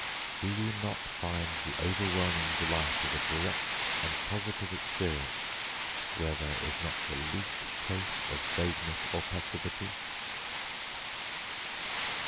] Do we not find the overwhelming delight of a direct and positive experience where there is not the least trace of vagueness or passivity?